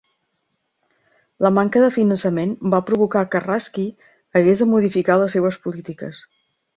La manca de finançament va provocar que Rayski hagués de modificar les seves polítiques.